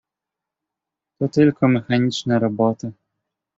"„To tylko mechaniczna robota."